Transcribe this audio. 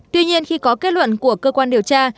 tuy nhiên khi có kết luận của cơ quan điều tra